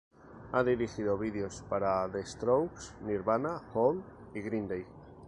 Ha dirigido videos para The Strokes, Nirvana, Hole y Green Day.